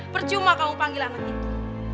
percuma kamu panggil anak itu